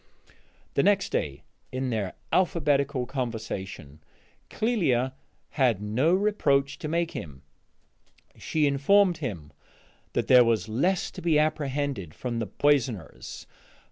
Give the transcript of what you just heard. The next day, in their alphabetical conversation, Clélia had no reproach to make him. She informed him that there was less to be apprehended from the poisoners.